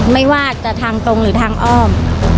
ไม่ว่าจะทางตรงหรือทางอ้อม